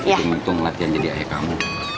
untuk menuntun latihan jadi ayah kamu